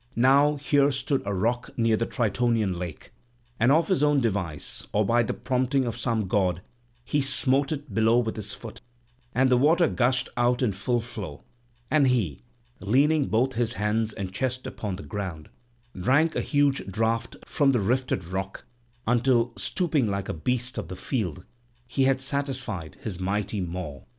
Now here stood a rock near the Tritonian lake; and of his own device, or by the prompting of some god, he smote it below with his foot; and the water gushed out in full flow. And he, leaning both his hands and chest upon the ground, drank a huge draught from the rifted rock, until, stooping like a beast of the field, he had satisfied his mighty maw."